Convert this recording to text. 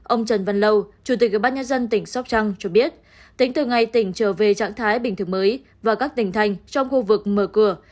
ông trần văn lâu chủ tịch bác nhân dân tỉnh sóc trăng cho biết tỉnh từ ngày tỉnh trở về trạng thái bình thường mới và các tỉnh thành trong khu vực mở cửa